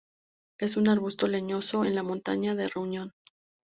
Es un arbusto leñoso en la montaña de Reunión.